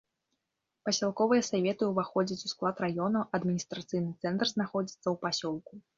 Пасялковыя саветы ўваходзяць у склад раёнаў, адміністрацыйны цэнтр знаходзіцца ў пасёлку.